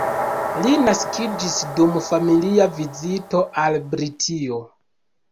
Li naskiĝis dum familia vizito al Britio.